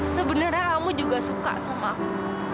sebenarnya kamu juga suka sama aku